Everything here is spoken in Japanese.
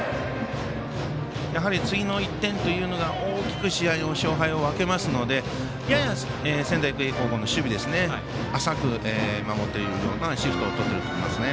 やはり次の１点というのが試合の勝敗を分けますのでやや仙台育英高校の守備も浅く守っているようなシフトをとっていると思います。